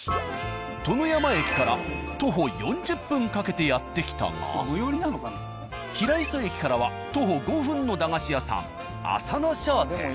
殿山駅から徒歩４０分かけてやって来たが平磯駅からは徒歩５分の駄菓子屋さん「浅野商店」。